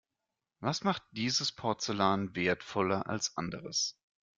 Was macht dieses Porzellan wertvoller als anderes?